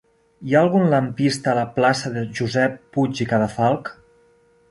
Hi ha algun lampista a la plaça de Josep Puig i Cadafalch?